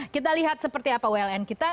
kita lihat seperti apa uln kita